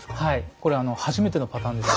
これ初めてのパターンです。